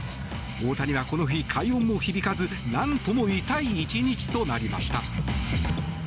大谷はこの日、快音も響かず何とも痛い１日となりました。